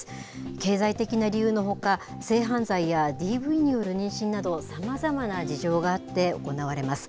経済的な理由のほか、性犯罪やＤＶによる妊娠など、さまざまな事情があって行われます。